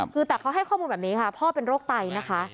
คือแต่เขาให้ข้อมูลแบบนี้ค่ะพ่อเป็นโรคไตนะคะ